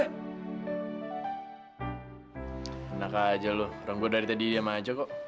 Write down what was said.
enak aja lu orang gue dari tadi diam aja kok